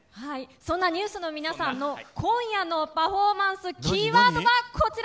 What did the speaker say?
そんなＮＥＷＳの皆さんの今夜のパフォーマンス、キーワードはこちら。